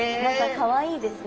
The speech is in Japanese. かわいいですね。